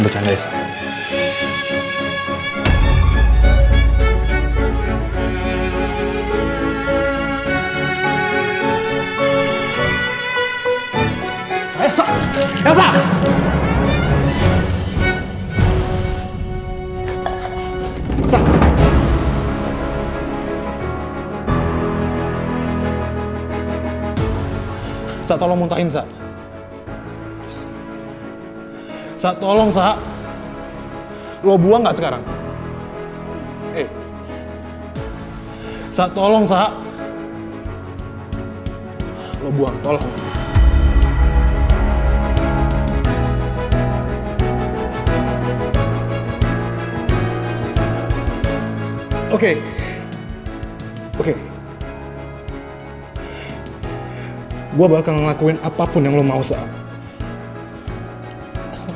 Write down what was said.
cinta dia itu sekuat cinta lo saya